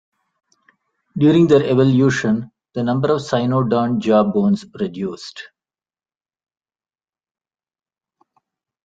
During their evolution, the number of cynodont jaw bones reduced.